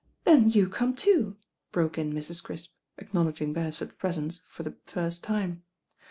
"Then you come too," broke in Mrs. Crisp, ac knowledging Beresford's presence for the first time.